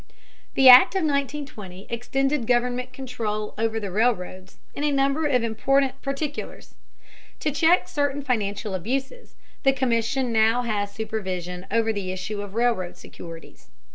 The Act of 1920 extended government control over the railroads in a number of important particulars. To check certain financial abuses, the Commission now has supervision over the issue of railroad securities.